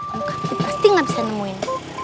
om kamti pasti gak bisa nemuin